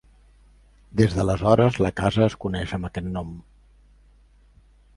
Des d'aleshores, la casa es coneix amb aquest nom.